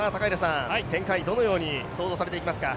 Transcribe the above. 展開、どのように想像されていきますか？